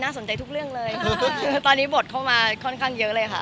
สนใจทุกเรื่องเลยคือตอนนี้บทเข้ามาค่อนข้างเยอะเลยค่ะ